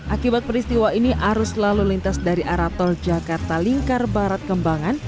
akibat peristiwa ini arus lalu lintas dari arah tol jakarta lingkar barat kembangan